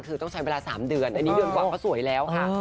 คือต้องใช้เวลา๓เดือนอันนี้เดือนกว่าก็สวยแล้วค่ะ